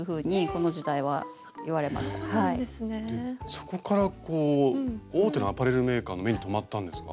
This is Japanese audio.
そこからこう大手のアパレルメーカーの目に留まったんですか？